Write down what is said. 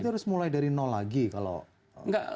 itu harus mulai dari nol lagi kalau enggak